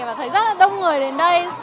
và thấy rất là đông người đến đây